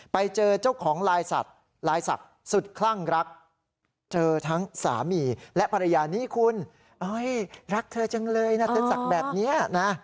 ไปเจอเจ้าของลายสัตว์ลายศักดิ์สุดคลั่งรักเจอทั้งสามีและภรรยานี้คุณรักเธอจังเลยนะเธอศักดิ์แบบนี้นะ